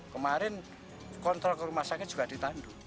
kemarin kontrol ke rumah sakit juga ditandu